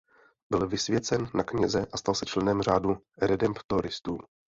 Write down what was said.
Byl vysvěcen na kněze a stal se členem řádu redemptoristů.